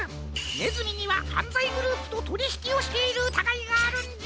ねずみにははんざいグループととりひきをしているうたがいがあるんじゃ！